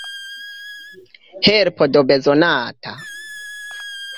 Helpo do bezonata!